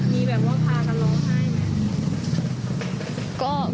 มีแบบว่าพากันร้องไห้ไหม